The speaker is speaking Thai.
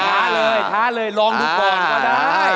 เลยท้าเลยลองดูก่อนก็ได้